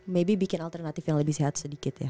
mabbie bikin alternatif yang lebih sehat sedikit ya